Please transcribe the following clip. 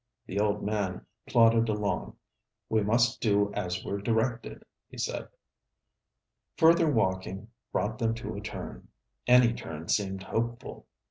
The old man plodded along. 'We must do as we're directed,' he said. Further walking brought them to a turn. Any turn seemed hopeful.